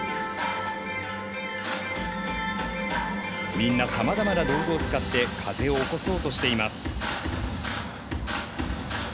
みんなさまざまな道具を使って風を起こそうとしています。